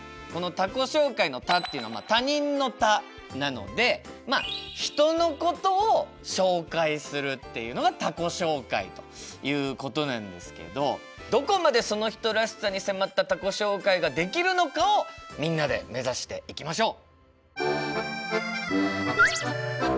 この「他己紹介」の「他」っていうのは「他人」の「他」なのでまあ人のことを紹介するっていうのが他己紹介ということなんですけどどこまでその人らしさに迫った他己紹介ができるのかをみんなで目指していきましょう！